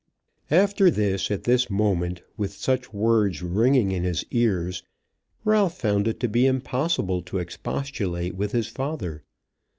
After this, at this moment, with such words ringing in his ears, Ralph found it to be impossible to expostulate with his father.